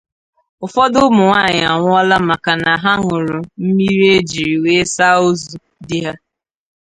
ụfọdụ ụmụnwaanyị anwụọla maka na ha ñụrụ mmiri e jiri wee saa ozu di ha